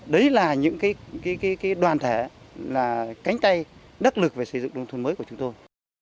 đấy là những đoàn thể là cánh tay đắc lực về xây dựng nông thôn mới của chúng tôi